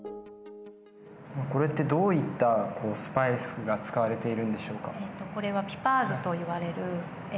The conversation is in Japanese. これってどういったスパイスが使われているんでしょうか。